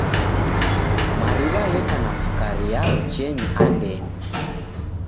Mariw'a gheka na sukari yaro cheni andenyi.